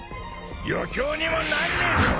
余興にもなんねえぞ！